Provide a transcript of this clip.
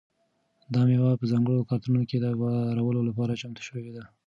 دا مېوې په ځانګړو کارتنونو کې د بارولو لپاره چمتو شوي دي.